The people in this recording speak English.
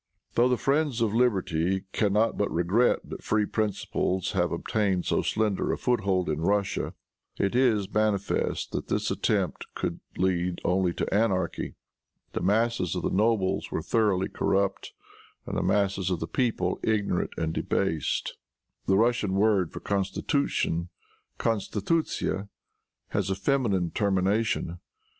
Though the friends of liberty can not but regret that free principles have obtained so slender a foothold in Russia, it is manifest that this attempt could lead only to anarchy. The masses of the nobles were thoroughly corrupt, and the masses of the people ignorant and debased. The Russian word for constitution, constitutsya, has a feminine termination.